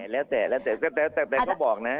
แล้วแต่แล้วแต่แต่เขาบอกนะ